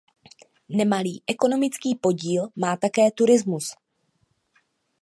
Nemalý ekonomický podíl má také turismus.